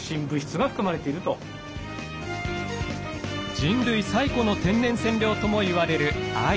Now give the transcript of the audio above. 人類最古の天然染料ともいわれる藍。